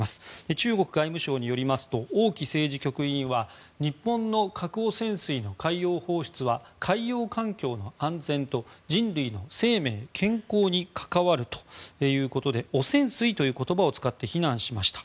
中国外務省によりますと王毅政治局委員は日本の核汚染水の海洋放出は海洋環境の安全と人類の生命・健康に関わるということで汚染水という言葉を使って非難しました。